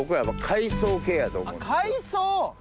海藻！